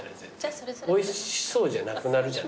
おいしそうじゃなくなるじゃん。